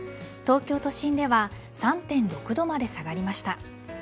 東京都心では３．６度まで下がりました。